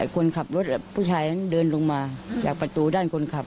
คนขับรถผู้ชายนั้นเดินลงมาจากประตูด้านคนขับ